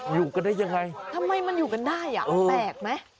อยู่กันได้ยังไงทำไมมันอยู่กันได้อ่ะแปลกไหม